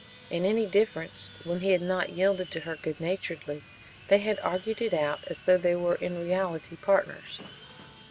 In any difference, when he had not yielded to her good naturedly, they had argued it out as though they were in reality partners.